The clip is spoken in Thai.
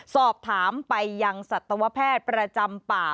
สอบถามไปยังสัตวแพทย์ประจำป่า